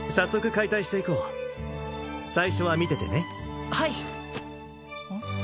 解体していこう最初は見ててねはいうん？